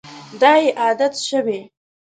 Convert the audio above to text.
دا یې عادت شوی.